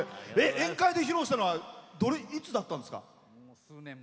宴会で披露したのはいつだったんですか？